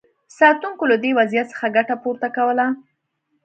ساتونکو له دې وضعیت څخه ګټه پورته کوله.